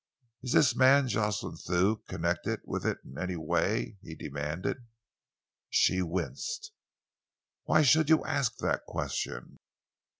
"Is this man Jocelyn Thew connected with it in any way?" he demanded. She winced. "Why should you ask that question?"